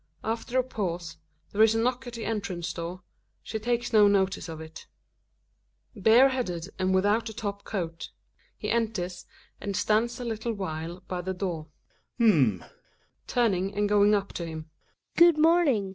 After a pause there is a knock at the entrance door; she takes no notice of it. \ Gregers {bareheaded and without a top coat ; he enters I and stands a little while by the door). H'm !/ Hedvig {turning and going up to him). Good morning.